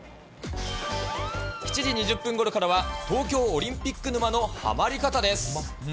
７時２０分ごろからは、東京オリンピック沼のハマり方です。